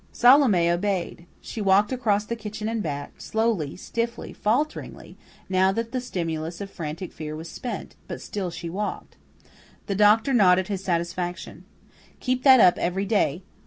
Salome obeyed. She walked across the kitchen and back, slowly, stiffly, falteringly, now that the stimulus of frantic fear was spent; but still she walked. The doctor nodded his satisfaction. "Keep that up every day.